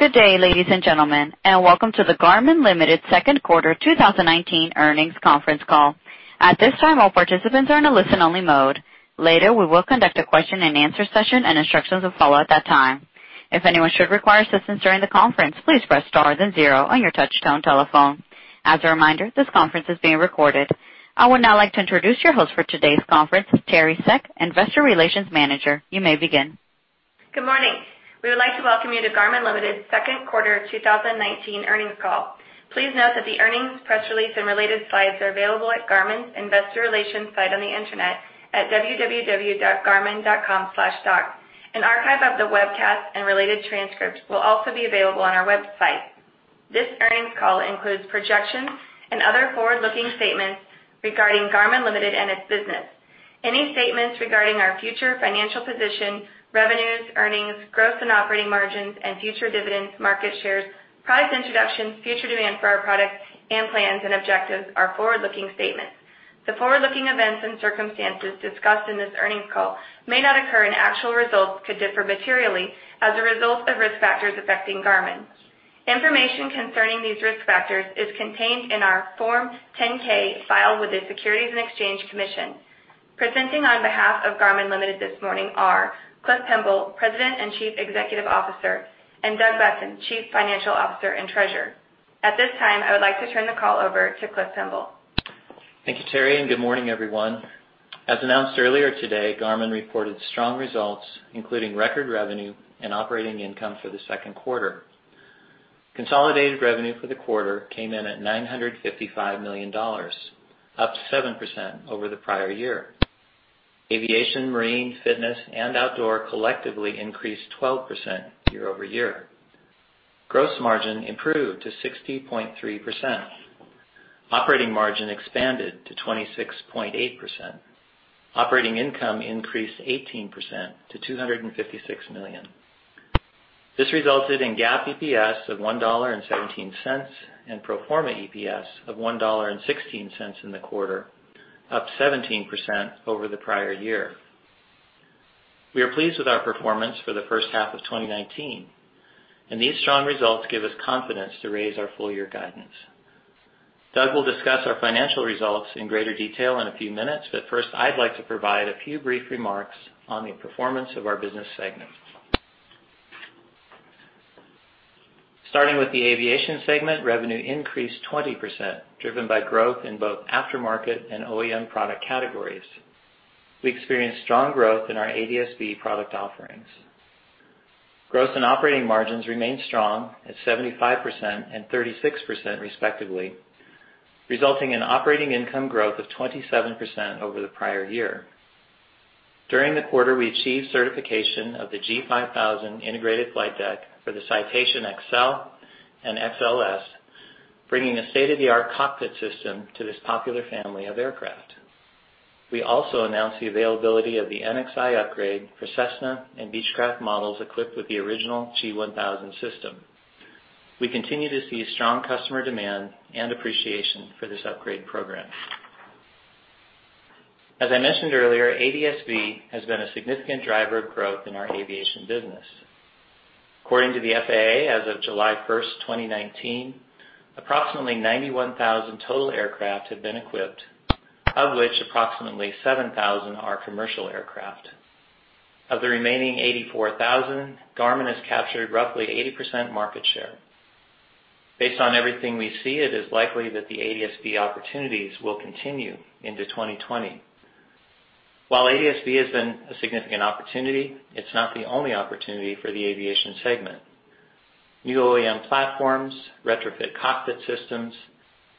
Good day, ladies and gentlemen, welcome to the Garmin Ltd. second quarter 2019 earnings conference call. At this time, all participants are in a listen-only mode. Later, we will conduct a question and answer session, and instructions will follow at that time. If anyone should require assistance during the conference, please press star then 0 on your touchtone telephone. As a reminder, this conference is being recorded. I would now like to introduce your host for today's conference, Teri Seck, Investor Relations Manager. You may begin. Good morning. We would like to welcome you to Garmin Ltd.'s second quarter 2019 earnings call. Please note that the earnings press release and related slides are available at Garmin's investor relations site on the Internet at www.garmin.com/stock. An archive of the webcast and related transcripts will also be available on our website. This earnings call includes projections and other forward-looking statements regarding Garmin Ltd. and its business. Any statements regarding our future financial position, revenues, earnings, growth and operating margins and future dividends, market shares, price introductions, future demand for our products, and plans and objectives are forward-looking statements. The forward-looking events and circumstances discussed in this earnings call may not occur, and actual results could differ materially as a result of risk factors affecting Garmin. Information concerning these risk factors is contained in our Form 10-K filed with the Securities and Exchange Commission. Presenting on behalf of Garmin Ltd. this morning are Cliff Pemble, President and Chief Executive Officer, and Doug Boessen, Chief Financial Officer and Treasurer. At this time, I would like to turn the call over to Cliff Pemble. Thank you, Teri, good morning, everyone. As announced earlier today, Garmin reported strong results, including record revenue and operating income for the second quarter. Consolidated revenue for the quarter came in at $955 million, up 7% over the prior year. Aviation, Marine, Fitness, and Outdoor collectively increased 12% year-over-year. Gross margin improved to 60.3%. Operating margin expanded to 26.8%. Operating income increased 18% to $256 million. This resulted in GAAP EPS of $1.17 and pro forma EPS of $1.16 in the quarter, up 17% over the prior year. We are pleased with our performance for the first half of 2019, and these strong results give us confidence to raise our full-year guidance. Doug will discuss our financial results in greater detail in a few minutes, but first, I'd like to provide a few brief remarks on the performance of our business segments. Starting with the Aviation segment, revenue increased 20%, driven by growth in both aftermarket and OEM product categories. We experienced strong growth in our ADS-B product offerings. Growth and operating margins remained strong at 75% and 36%, respectively, resulting in operating income growth of 27% over the prior year. During the quarter, we achieved certification of the G5000 Integrated Flight Deck for the Citation Excel and XLS, bringing a state-of-the-art cockpit system to this popular family of aircraft. We also announced the availability of the NXi upgrade for Cessna and Beechcraft models equipped with the original G1000 system. We continue to see strong customer demand and appreciation for this upgrade program. As I mentioned earlier, ADS-B has been a significant driver of growth in our Aviation business. According to the FAA, as of July 1st, 2019, approximately 91,000 total aircraft have been equipped, of which approximately 7,000 are commercial aircraft. Of the remaining 84,000, Garmin has captured roughly 80% market share. Based on everything we see, it is likely that the ADS-B opportunities will continue into 2020. While ADS-B has been a significant opportunity, it's not the only opportunity for the aviation segment. New OEM platforms, retrofit cockpit systems,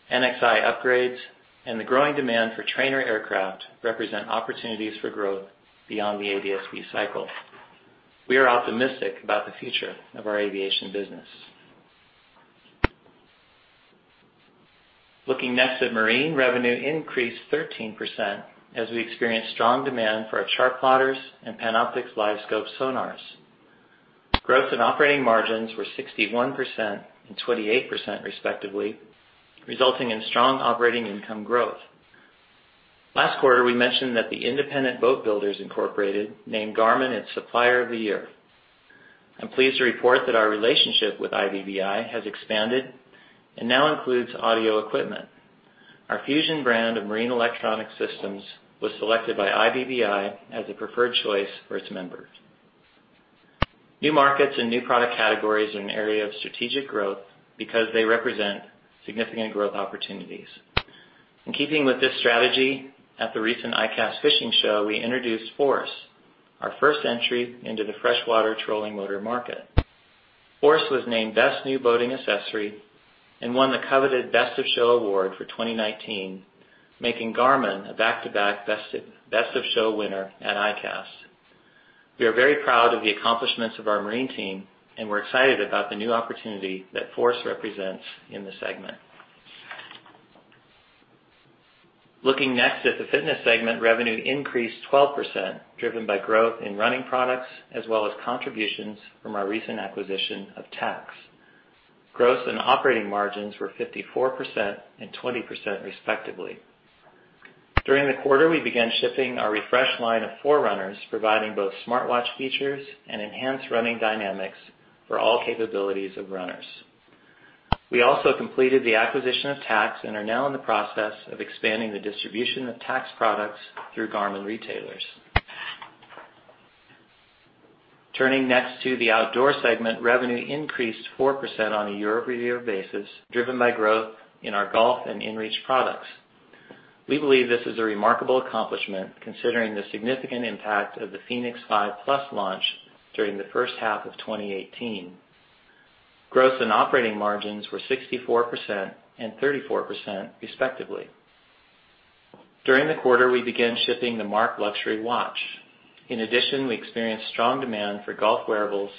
NXi upgrades, and the growing demand for trainer aircraft represent opportunities for growth beyond the ADS-B cycle. We are optimistic about the future of our aviation business. Looking next at marine, revenue increased 13% as we experienced strong demand for our chartplotters and Panoptix LiveScope sonars. Growth in operating margins were 61% and 28%, respectively, resulting in strong operating income growth. Last quarter, we mentioned that the Independent Boat Builders, Inc. named Garmin its supplier of the year. I'm pleased to report that our relationship with IBBI has expanded and now includes audio equipment. Our Fusion brand of marine electronic systems was selected by IBBI as a preferred choice for its members. New markets and new product categories are an area of strategic growth because they represent significant growth opportunities. In keeping with this strategy, at the recent ICAST fishing show, we introduced Force, our first entry into the freshwater trolling motor market. Force was named Best New Boating Accessory and won the coveted Best of Show award for 2019, making Garmin a back-to-back Best of Show winner at ICAST. We are very proud of the accomplishments of our marine team, and we're excited about the new opportunity that Force represents in the segment. Looking next at the fitness segment, revenue increased 12%, driven by growth in running products as well as contributions from our recent acquisition of Tacx. Gross and operating margins were 54% and 20%, respectively. During the quarter, we began shipping our refreshed line of Forerunners, providing both smartwatch features and enhanced running dynamics for all capabilities of runners. We also completed the acquisition of Tacx and are now in the process of expanding the distribution of Tacx products through Garmin retailers. Turning next to the outdoor segment, revenue increased 4% on a year-over-year basis, driven by growth in our golf and inReach products. We believe this is a remarkable accomplishment, considering the significant impact of the fēnix 5 Plus launch during the first half of 2018. Growth and operating margins were 64% and 34%, respectively. During the quarter, we began shipping the MARQ luxury watch. In addition, we experienced strong demand for golf wearables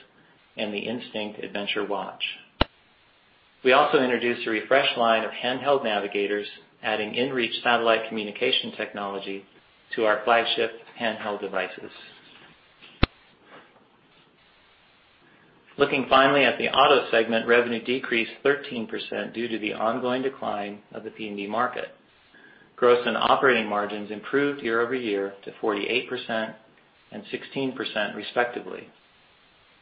and the Instinct adventure watch. We also introduced a refreshed line of handheld navigators, adding inReach satellite communication technology to our flagship handheld devices. Looking finally at the auto segment, revenue decreased 13% due to the ongoing decline of the PND market. Gross and operating margins improved year-over-year to 48% and 16%, respectively.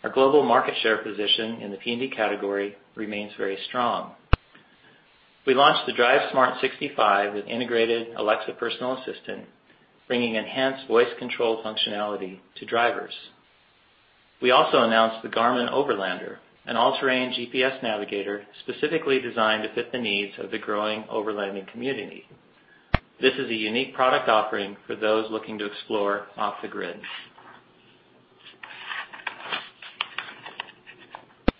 Our global market share position in the PND category remains very strong. We launched the DriveSmart 65 with integrated Alexa personal assistant, bringing enhanced voice control functionality to drivers. We also announced the Garmin Overlander, an all-terrain GPS navigator specifically designed to fit the needs of the growing Overlanding community. This is a unique product offering for those looking to explore off the grid.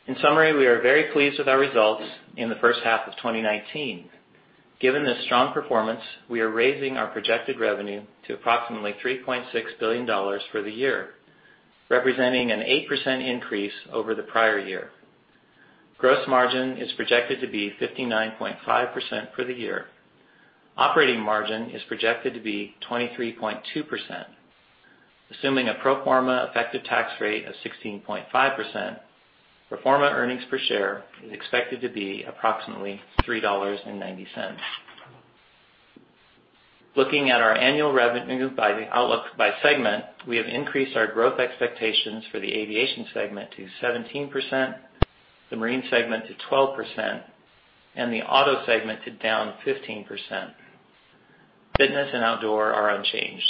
In summary, we are very pleased with our results in the first half of 2019. Given this strong performance, we are raising our projected revenue to approximately $3.6 billion for the year, representing an 8% increase over the prior year. Gross margin is projected to be 59.5% for the year. Operating margin is projected to be 23.2%, assuming a pro forma effective tax rate of 16.5%. Pro forma EPS is expected to be approximately $3.90. Looking at our annual revenue by the outlook by segment, we have increased our growth expectations for the Aviation segment to 17%, the Marine segment to 12%, and the Auto segment to down 15%. Fitness and Outdoor are unchanged.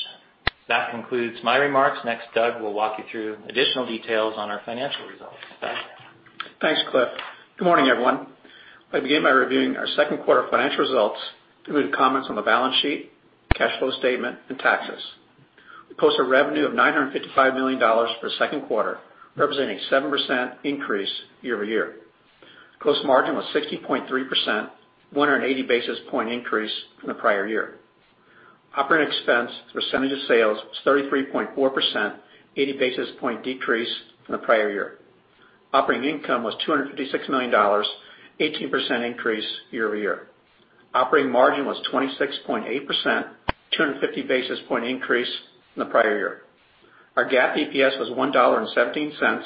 That concludes my remarks. Next, Doug will walk you through additional details on our financial results. Doug? Thanks, Cliff. Good morning, everyone. I begin by reviewing our second quarter financial results, including comments on the balance sheet, cash flow statement, and taxes. We posted revenue of $955 million for the second quarter, representing 7% increase year-over-year. Gross margin was 60.3%, 180 basis point increase from the prior year. Operating expense as a percentage of sales was 33.4%, 80 basis point decrease from the prior year. Operating income was $256 million, 18% increase year-over-year. Operating margin was 26.8%, 250 basis point increase from the prior year. Our GAAP EPS was $1.17.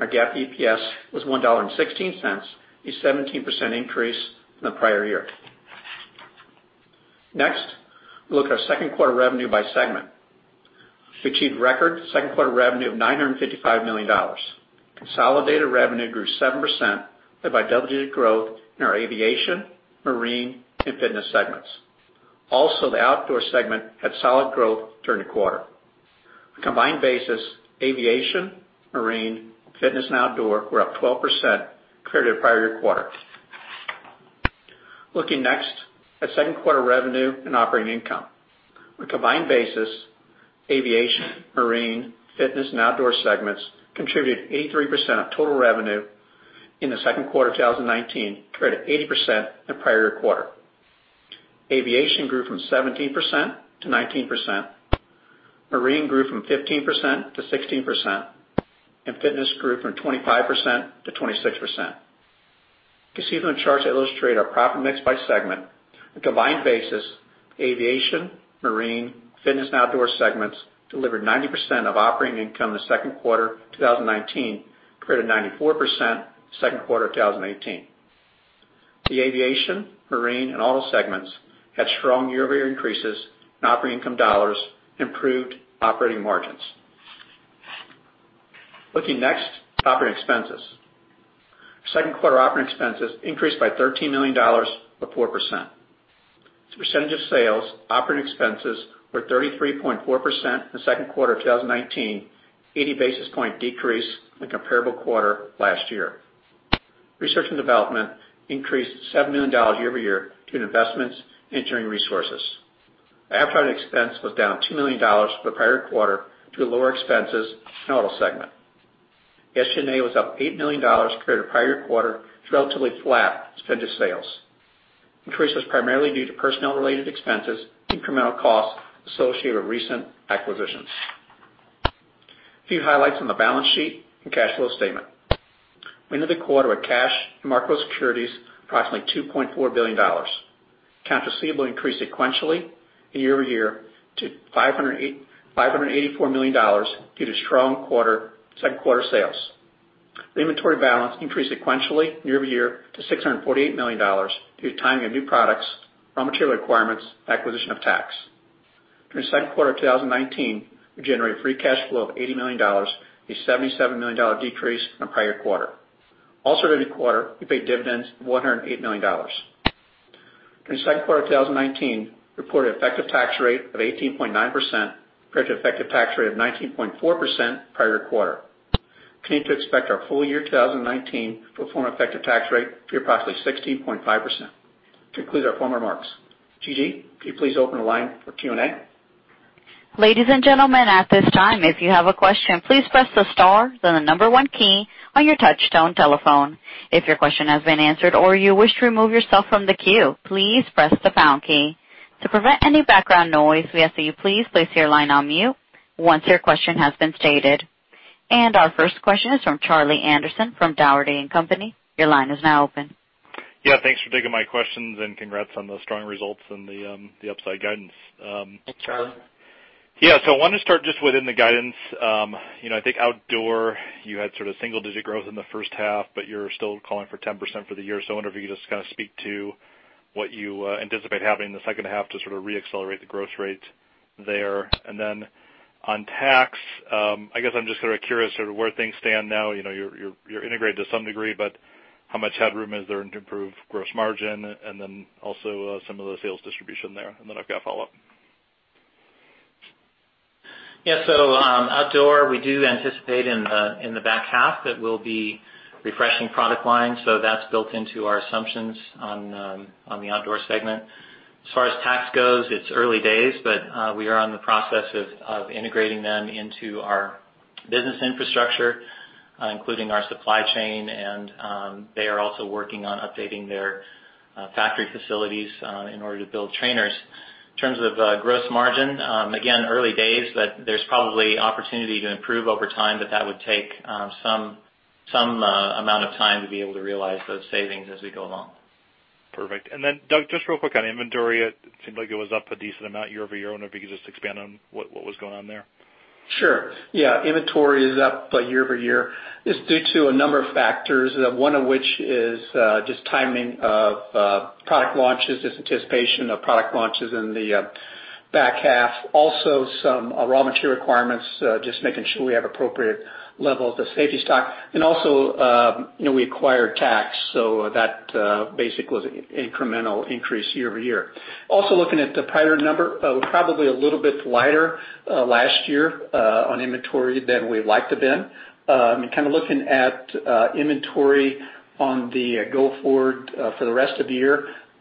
Our pro forma EPS was $1.16 a 17% increase from the prior year. We look at our second quarter revenue by segment, which achieved record second quarter revenue of $955 million. Consolidated revenue grew 7% led by double-digit growth in our aviation, marine, and fitness segments. The outdoor segment had solid growth during the quarter. A combined basis, Aviation, Marine, Fitness, and Outdoor were up 12% compared to the prior year quarter. Looking next at second quarter revenue and operating income. On a combined basis, Aviation, Marine, Fitness, and Outdoor segments contributed 83% of total revenue in the second quarter of 2019, compared to 80% in the prior year quarter. Aviation grew from 17%-19%. Marine grew from 15%-16%, and Fitness grew from 25%-26%. You can see from the charts that illustrate our profit mix by segment, a combined basis, Aviation, Marine, Fitness, and Outdoor segments delivered 90% of operating income in the second quarter 2019, compared to 94% second quarter 2018. The Aviation, Marine, and Auto segments had strong year-over-year increases in operating income dollars, improved operating margins. Looking next at operating expenses. Second quarter operating expenses increased by $13 million, or 4%. As a percentage of sales, operating expenses were 33.4% in the second quarter of 2019, 80 basis point decrease in comparable quarter last year. Research and development increased $7 million year-over-year due to investments in engineering resources. App development expense was down $2 million from the prior quarter due to lower expenses in the auto segment. SG&A was up $8 million compared to the prior quarter, relatively flat percentage of sales. Increase was primarily due to personnel-related expenses, incremental costs associated with recent acquisitions. A few highlights on the balance sheet and cash flow statement. We ended the quarter with cash and marketable securities approximately $2.4 billion. Accounts receivable increased sequentially and year-over-year to $584 million due to strong second quarter sales. The inventory balance increased sequentially year-over-year to $648 million due to timing of new products, raw material requirements, acquisition of Tacx. During the second quarter of 2019, we generated free cash flow of $80 million, a $77 million decrease from the prior quarter. Also during the quarter, we paid dividends of $108 million. During the second quarter of 2019, we reported effective tax rate of 18.9% compared to effective tax rate of 19.4% prior quarter. We continue to expect our full year 2019 to perform effective tax rate of approximately 16.5%. Gigi, can you please open the line for Q&A? Ladies and gentlemen, at this time, if you have a question, please press the star, then the number 1 key on your touchtone telephone. If your question has been answered or you wish to remove yourself from the queue, please press the pound key. To prevent any background noise, we ask that you please place your line on mute once your question has been stated. Our first question is from Charlie Anderson from Dougherty & Company. Your line is now open. Thanks for taking my questions and congrats on those strong results and the upside guidance. Hi, Charlie. Yeah. I wanted to start just within the guidance. I think outdoor, you had sort of single digit growth in the first half, but you're still calling for 10% for the year. I wonder if you could just kind of speak to what you anticipate happening in the second half to sort of re-accelerate the growth rate there. On Tacx, I guess I'm just sort of curious sort of where things stand now. You're integrated to some degree, but how much headroom is there to improve gross margin and also some of the sales distribution there? I've got a follow-up. Yeah. Outdoor, we do anticipate in the back half that we'll be refreshing product lines, so that's built into our assumptions on the outdoor segment. As far as Tacx goes, it's early days, but we are on the process of integrating them into our business infrastructure, including our supply chain, and they are also working on updating their factory facilities in order to build trainers. In terms of gross margin, again, early days, but there's probably opportunity to improve over time, but that would take some amount of time to be able to realize those savings as we go along. Perfect. Doug, just real quick on inventory. It seemed like it was up a decent amount year-over-year. I wonder if you could just expand on what was going on there. Sure. Yeah. Inventory is up by year-over-year. It's due to a number of factors, one of which is just timing of product launches, this anticipation of product launches in the back half. Also, some raw material requirements, just making sure we have appropriate levels of safety stock. Also, we acquired Tacx, so that basically was incremental increase year-over-year. Also, looking at the prior number, we're probably a little bit lighter last year on inventory than we'd liked to have been. Kind of looking at inventory on the go forward for the rest of the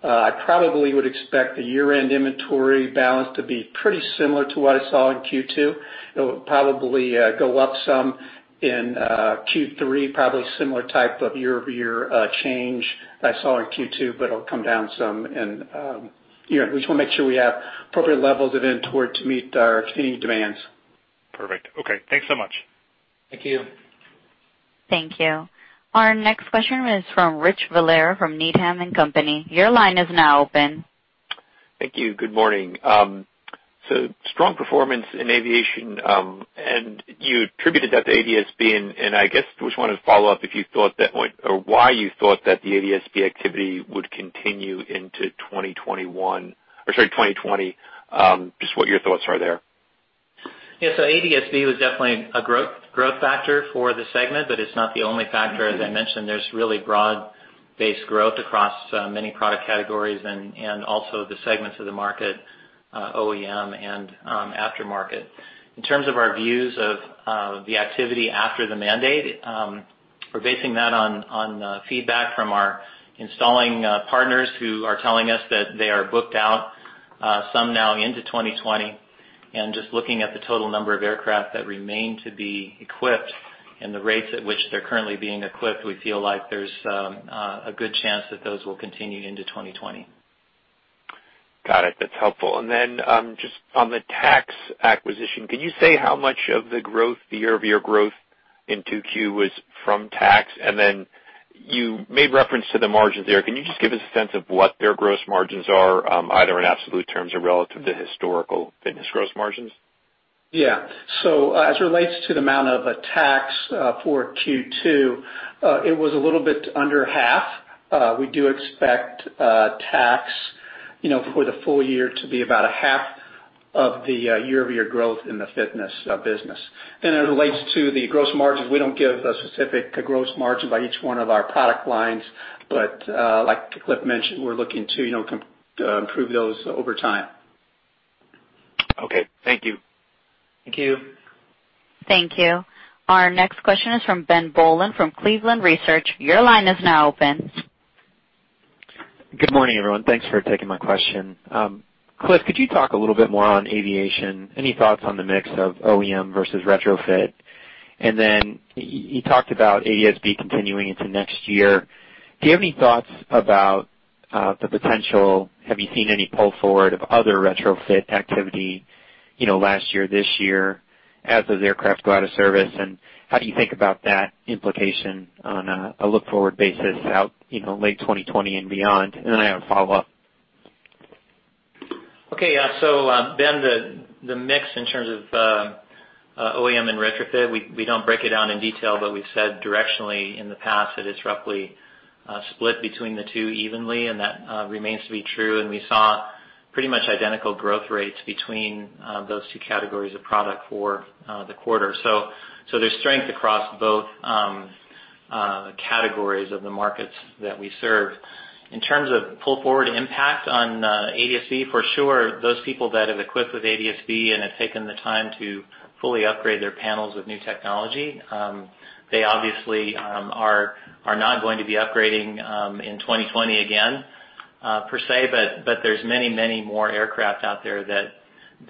year, I probably would expect the year-end inventory balance to be pretty similar to what I saw in Q2. It will probably go up some in Q3, probably similar type of year-over-year change I saw in Q2, but it'll come down some. We just want to make sure we have appropriate levels of inventory to meet our continuing demands. Perfect. Okay. Thanks so much. Thank you. Thank you. Our next question is from Rich Valera from Needham & Company. Your line is now open. Thank you. Good morning. Strong performance in aviation, and you attributed that to ADS-B, and I guess just wanted to follow up if you thought or why you thought that the ADS-B activity would continue into 2021, or sorry, 2020. Just what your thoughts are there. ADS-B was definitely a growth factor for the segment, but it's not the only factor. As I mentioned, there's really broad-based growth across many product categories and also the segments of the market, OEM and aftermarket. In terms of our views of the activity after the mandate, we're basing that on feedback from our installing partners who are telling us that they are booked out, some now into 2020, and just looking at the total number of aircraft that remain to be equipped and the rates at which they're currently being equipped, we feel like there's a good chance that those will continue into 2020. Got it. That's helpful. Just on the Tacx acquisition, can you say how much of the growth, the year-over-year growth in 2Q was from Tacx? You made reference to the margins there. Can you just give us a sense of what their gross margins are, either in absolute terms or relative to historical fitness gross margins? As it relates to the amount of tax for Q2, it was a little bit under half. We do expect tax for the full year to be about a half of the year-over-year growth in the fitness business. As it relates to the gross margins, we don't give a specific gross margin by each one of our product lines. Like Cliff mentioned, we're looking to improve those over time. Okay. Thank you. Thank you. Thank you. Our next question is from Ben Bollin from Cleveland Research. Your line is now open. Good morning, everyone. Thanks for taking my question. Cliff, could you talk a little bit more on aviation? Any thoughts on the mix of OEM versus retrofit? Then you talked about ADS-B continuing into next year. Do you have any thoughts about Have you seen any pull forward of other retrofit activity last year, this year, as those aircraft go out of service? How do you think about that implication on a look-forward basis out late 2020 and beyond? Then I have a follow-up. Okay. Ben, the mix in terms of OEM and retrofit, we don't break it down in detail, but we've said directionally in the past that it's roughly split between the two evenly, and that remains to be true. We saw pretty much identical growth rates between those two categories of product for the quarter. There's strength across both categories of the markets that we serve. In terms of pull-forward impact on ADS-B, for sure, those people that have equipped with ADS-B and have taken the time to fully upgrade their panels with new technology, they obviously are not going to be upgrading in 2020 again, per se. There's many, many more aircraft out there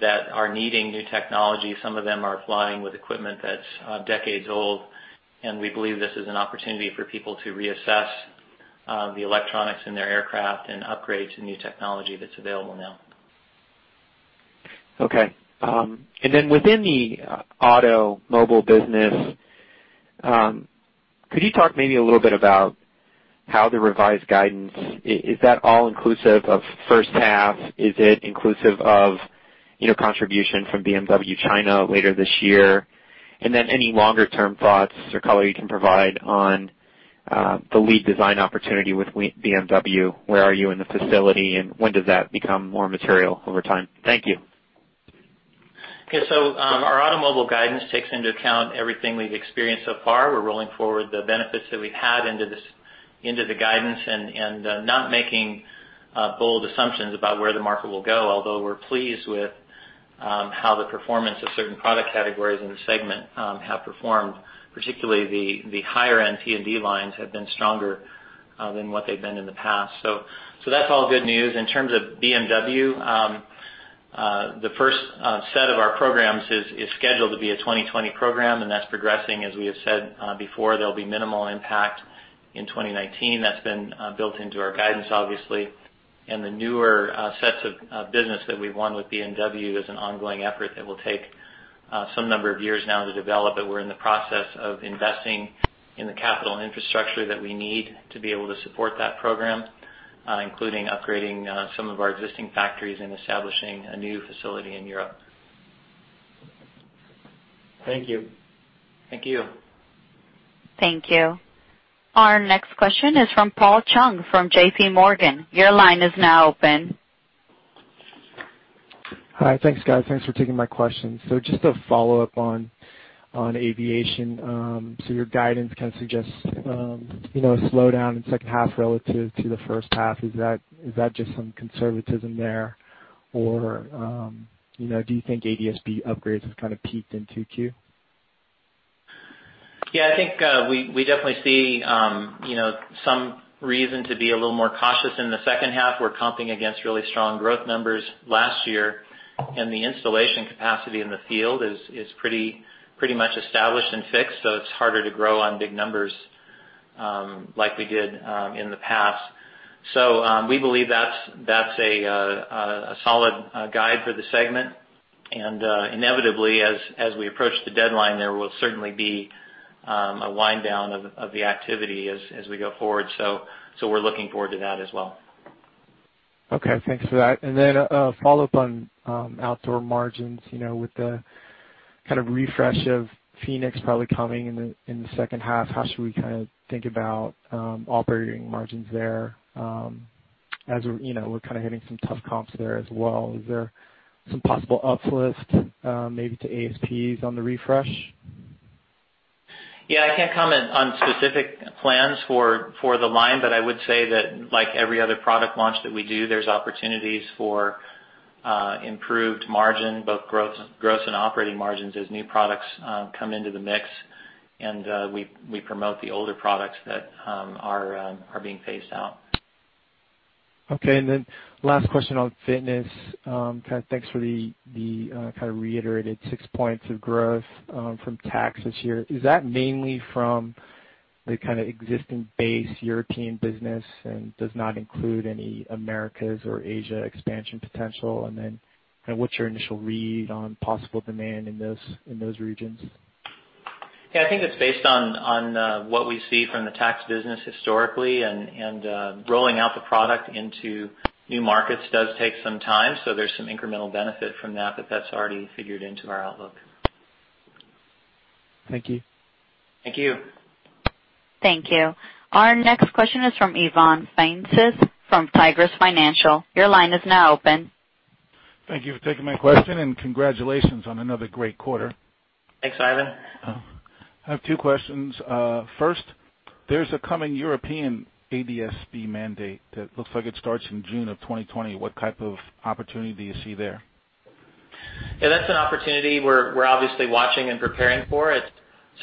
that are needing new technology. Some of them are flying with equipment that's decades old, and we believe this is an opportunity for people to reassess the electronics in their aircraft and upgrade to new technology that's available now. Okay. Within the automobile business, could you talk maybe a little bit about how the revised guidance, is that all inclusive of first half? Is it inclusive of contribution from BMW China later this year? Any longer-term thoughts or color you can provide on the lead design opportunity with BMW. Where are you in the facility, and when does that become more material over time? Thank you. Okay. Our automobile guidance takes into account everything we've experienced so far. We're rolling forward the benefits that we've had into the guidance and not making bold assumptions about where the market will go. Although we're pleased with how the performance of certain product categories in the segment have performed, particularly the higher-end PND lines have been stronger than what they've been in the past. That's all good news. In terms of BMW, the first set of our programs is scheduled to be a 2020 program, and that's progressing. As we have said before, there'll be minimal impact in 2019. That's been built into our guidance, obviously. The newer sets of business that we've won with BMW is an ongoing effort that will take some number of years now to develop, but we're in the process of investing in the capital infrastructure that we need to be able to support that program, including upgrading some of our existing factories and establishing a new facility in Europe. Thank you. Thank you. Thank you. Our next question is from Paul Chung from JPMorgan. Your line is now open. Hi. Thanks, guys. Thanks for taking my questions. Just a follow-up on aviation. Your guidance kind of suggests a slowdown in second half relative to the first half. Is that just some conservatism there or do you think ADS-B upgrades have kind of peaked in Q2? I think we definitely see some reason to be a little more cautious in the second half. We're comping against really strong growth numbers last year. The installation capacity in the field is pretty much established and fixed, it's harder to grow on big numbers like we did in the past. We believe that's a solid guide for the segment. Inevitably, as we approach the deadline, there will certainly be a wind down of the activity as we go forward. We're looking forward to that as well. Okay. Thanks for that. A follow-up on outdoor margins. With the kind of refresh of fēnix probably coming in the second half, how should we kind of think about operating margins there? We're kind of hitting some tough comps there as well. Is there some possible uplift, maybe to ASPs on the refresh? I can't comment on specific plans for the line, but I would say that like every other product launch that we do, there's opportunities for improved margin, both gross and operating margins as new products come into the mix and we promote the older products that are being phased out. Okay. Last question on fitness. Thanks for the reiterated six points of growth from Tacx this year. Is that mainly from the existing base European business and does not include any Americas or Asia expansion potential? What's your initial read on possible demand in those regions? Yeah, I think it's based on what we see from the Tacx business historically, and rolling out the product into new markets does take some time, so there's some incremental benefit from that, but that's already figured into our outlook. Thank you. Thank you. Thank you. Our next question is from Ivan Feinseth from Tigress Financial Partners. Your line is now open. Thank you for taking my question, and congratulations on another great quarter. Thanks, Ivan. I have two questions. First, there's a coming European ADS-B mandate that looks like it starts in June of 2020. What type of opportunity do you see there? Yeah, that's an opportunity we're obviously watching and preparing for. It's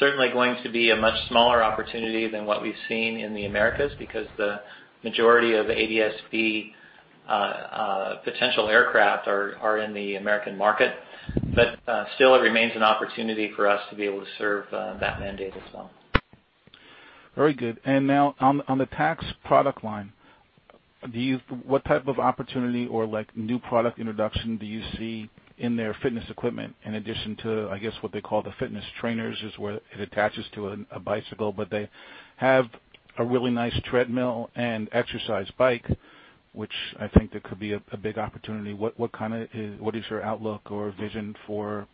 certainly going to be a much smaller opportunity than what we've seen in the Americas because the majority of ADS-B potential aircraft are in the American market. Still, it remains an opportunity for us to be able to serve that mandate as well. Very good. Now on the Tacx product line, what type of opportunity or new product introduction do you see in their fitness equipment in addition to, I guess, what they call the fitness trainers, is where it attaches to a bicycle, but they have a really nice treadmill and exercise bike, which I think that could be a big opportunity. What is your outlook or vision for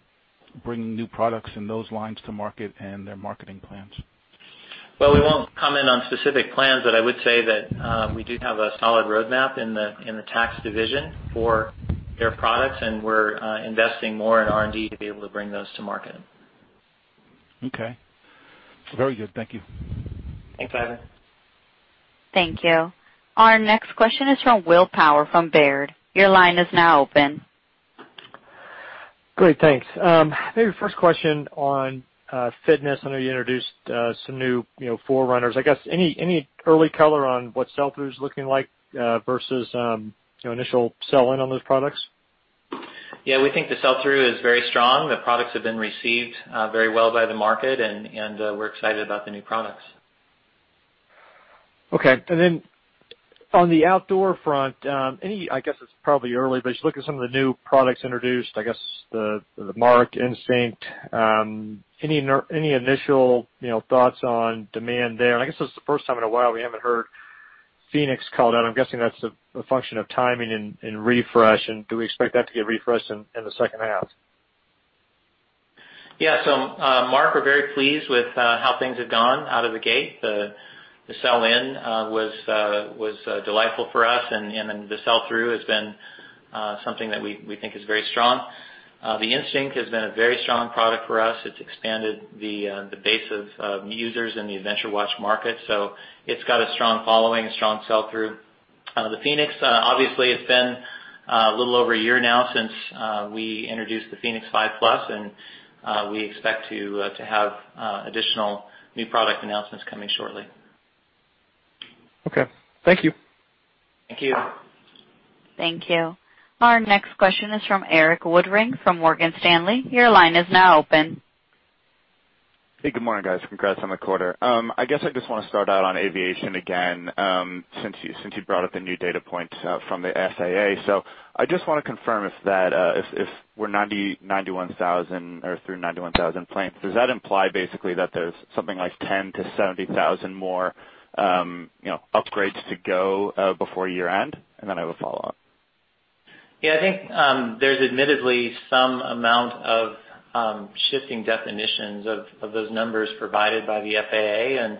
bringing new products in those lines to market and their marketing plans? Well, we won't comment on specific plans, but I would say that we do have a solid roadmap in the Tacx division for air products, and we're investing more in R&D to be able to bring those to market. Okay. Very good. Thank you. Thanks, Ivan. Thank you. Our next question is from Will Power from Baird. Your line is now open. Great. Thanks. Maybe first question on fitness. I know you introduced some new Forerunners. I guess, any early color on what sell-through is looking like versus initial sell-in on those products? Yeah, we think the sell-through is very strong. The products have been received very well by the market. We're excited about the new products. Okay. On the outdoor front, I guess it's probably early, but you look at some of the new products introduced, I guess, the MARQ Instinct. Any initial thoughts on demand there? I guess this is the first time in a while we haven't heard fēnix called out. I'm guessing that's a function of timing and refresh. Do we expect that to get refreshed in the second half? Yeah. Marq, we're very pleased with how things have gone out of the gate. The sell-in was delightful for us, and then the sell-through has been something that we think is very strong. The Instinct has been a very strong product for us. It's expanded the base of new users in the adventure watch market. It's got a strong following, a strong sell-through. The fēnix, obviously, it's been a little over a year now since we introduced the fēnix 5 Plus, and we expect to have additional new product announcements coming shortly. Okay. Thank you. Thank you. Thank you. Our next question is from Erik Woodring from Morgan Stanley. Your line is now open. Hey, good morning, guys. Congrats on the quarter. I guess I just want to start out on aviation again, since you brought up the new data point from the FAA. I just want to confirm if we're 90,000, 91,000 or through 91,000 planes, does that imply basically that there's something like 10,000 to 70,000 more upgrades to go before year-end? I have a follow-up. I think there's admittedly some amount of shifting definitions of those numbers provided by the FAA,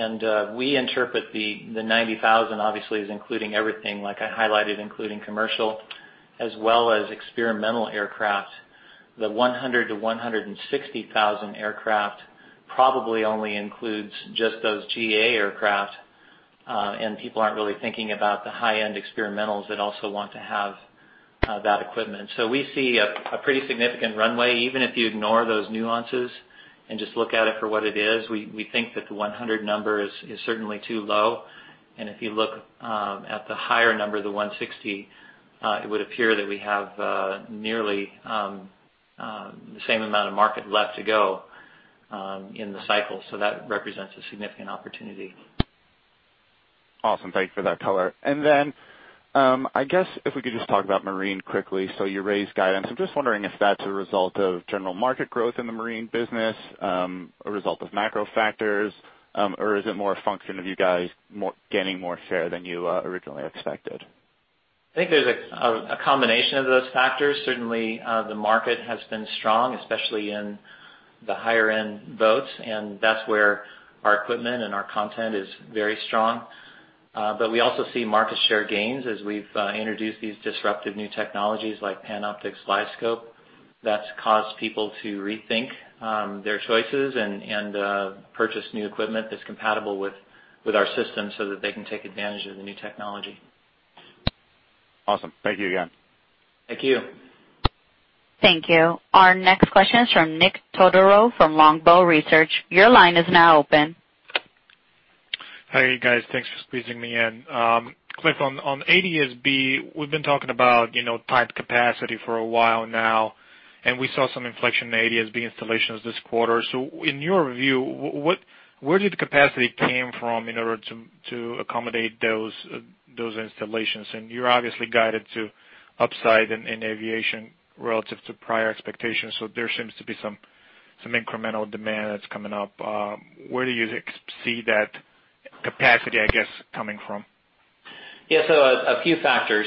and we interpret the 90,000 obviously as including everything like I highlighted, including commercial as well as experimental aircraft. The 100,000-160,000 aircraft probably only includes just those GA aircraft, and people aren't really thinking about the high-end experimentals that also want to have that equipment. We see a pretty significant runway, even if you ignore those nuances and just look at it for what it is. We think that the 100,000 number is certainly too low, and if you look at the higher number, the 160,000, it would appear that we have nearly the same amount of market left to go in the cycle. That represents a significant opportunity. Awesome. Thank you for that color. I guess if we could just talk about marine quickly. You raised guidance. I'm just wondering if that's a result of general market growth in the marine business, a result of macro factors, or is it more a function of you guys getting more share than you originally expected? I think there's a combination of those factors. Certainly, the market has been strong, especially in the higher-end boats, and that's where our equipment and our content is very strong. We also see market share gains as we've introduced these disruptive new technologies like Panoptix LiveScope. That's caused people to rethink their choices and purchase new equipment that's compatible with our system so that they can take advantage of the new technology. Awesome. Thank you again. Thank you. Thank you. Our next question is from Nick Todorov from Longbow Research. Your line is now open. Hey, guys. Thanks for squeezing me in. Cliff, on ADS-B, we've been talking about tight capacity for a while now. We saw some inflection in ADS-B installations this quarter. In your view, where did the capacity came from in order to accommodate those installations? You're obviously guided to upside in aviation relative to prior expectations. There seems to be some incremental demand that's coming up. Where do you see that capacity, I guess, coming from? A few factors.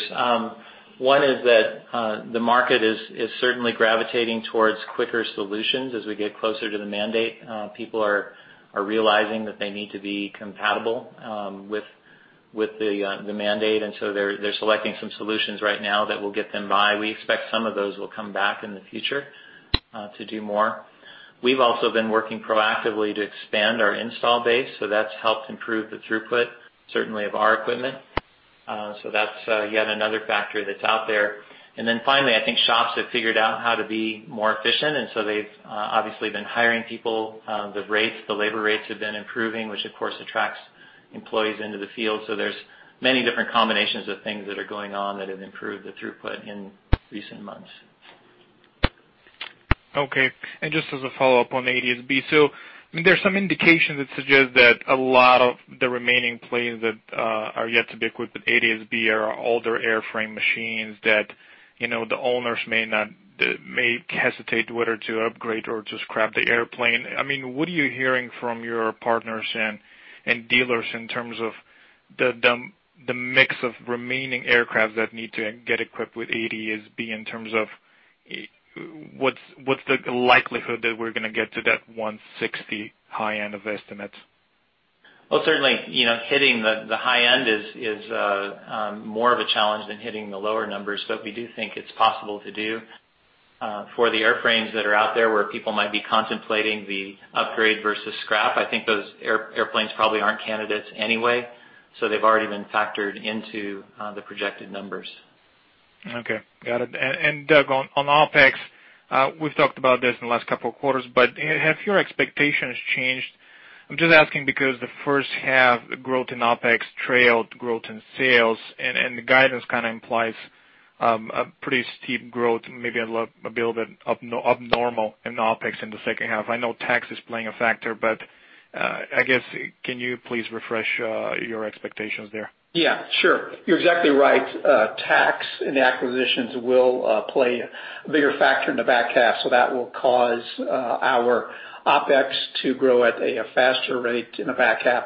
One is that the market is certainly gravitating towards quicker solutions as we get closer to the mandate. People are realizing that they need to be compatible with the mandate, they're selecting some solutions right now that will get them by. We expect some of those will come back in the future to do more. We've also been working proactively to expand our install base, that's helped improve the throughput, certainly of our equipment. That's yet another factor that's out there. Finally, I think shops have figured out how to be more efficient, they've obviously been hiring people. The labor rates have been improving, which of course attracts employees into the field. There's many different combinations of things that are going on that have improved the throughput in recent months. Okay. Just as a follow-up on ADS-B. There's some indication that suggests that a lot of the remaining planes that are yet to be equipped with ADS-B are older airframe machines that the owners may hesitate whether to upgrade or just scrap the airplane. What are you hearing from your partners and dealers in terms of the mix of remaining aircraft that need to get equipped with ADS-B in terms of what's the likelihood that we're going to get to that 160 high end of estimates? Certainly, hitting the high end is more of a challenge than hitting the lower numbers, but we do think it's possible to do. For the airframes that are out there where people might be contemplating the upgrade versus scrap, I think those airplanes probably aren't candidates anyway, so they've already been factored into the projected numbers. Okay, got it. Doug, on OpEx, we've talked about this in the last couple of quarters, have your expectations changed? I'm just asking because the first half growth in OpEx trailed growth in sales, the guidance kind of implies a pretty steep growth, maybe a little bit abnormal in OpEx in the second half. I know Tacx is playing a factor, I guess, can you please refresh your expectations there? Yeah, sure. You're exactly right. Tacx and acquisitions will play a bigger factor in the back half, that will cause our OpEx to grow at a faster rate in the back half.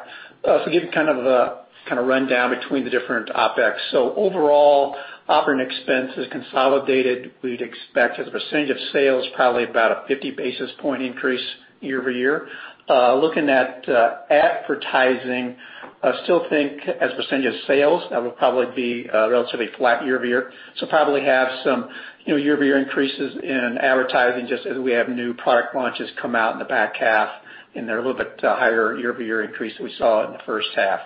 Give you kind of a rundown between the different OpEx. Overall, operating expense is consolidated. We'd expect as a percentage of sales, probably about a 50 basis point increase year-over-year. Looking at advertising, I still think as a percentage of sales, that will probably be relatively flat year-over-year. Probably have some year-over-year increases in advertising just as we have new product launches come out in the back half, and they're a little bit higher year-over-year increase than we saw in the first half.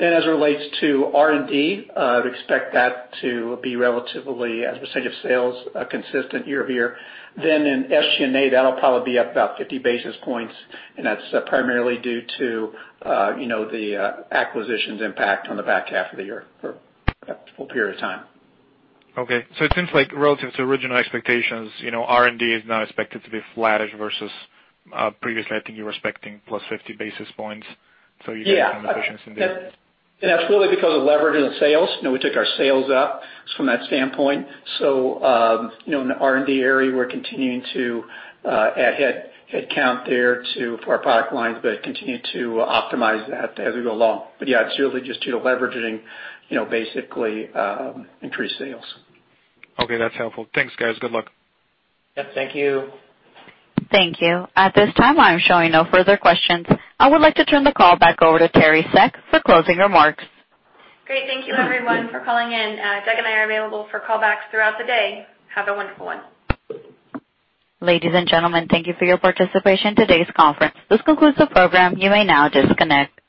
As it relates to R&D, I would expect that to be relatively, as a percentage of sales, consistent year-over-year. In SG&A, that'll probably be up about 50 basis points, and that's primarily due to the acquisitions impact on the back half of the year for that full period of time. Okay. It seems like relative to original expectations, R&D is now expected to be flattish versus previously, I think you were expecting plus 50 basis points. Yeah. You got some efficiency there. That's really because of leverage in sales. We took our sales up from that standpoint. In the R&D area, we're continuing to add headcount there too for our product lines, but continue to optimize that as we go along. Yeah, it's really just due to leveraging basically increased sales. Okay, that's helpful. Thanks, guys. Good luck. Yep, thank you. Thank you. At this time, I'm showing no further questions. I would like to turn the call back over to Teri Seck for closing remarks. Great. Thank you everyone for calling in. Doug and I are available for call backs throughout the day. Have a wonderful one. Ladies and gentlemen, thank you for your participation in today's conference. This concludes the program. You may now disconnect.